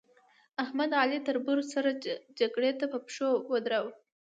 احمد؛ علي له تربرو سره جګړې ته په پشو ودراوو.